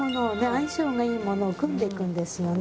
相性がいいものを組んでいくんですよね。